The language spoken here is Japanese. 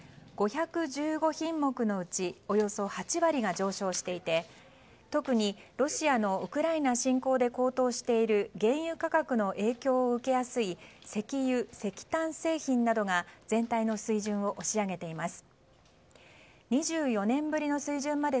５１５品目のうちおよそ８割が上昇していて特にロシアのウクライナ侵攻で高騰している原油価格の高騰を受けやすい石油・石炭製品などが全体の水準を押し上げています。